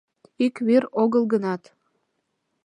Ик вӱр огыл гынат.